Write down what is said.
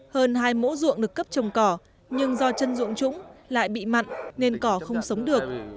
hơn hai mẫu ruộng được cấp trồng cỏ nhưng do chân ruộng trũng lại bị mặn nên cỏ không sống được